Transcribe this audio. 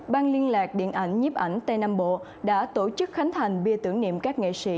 ban liên lạc điện ảnh nhiếp ảnh tây nam bộ đã tổ chức khánh thành bia tưởng niệm các nghệ sĩ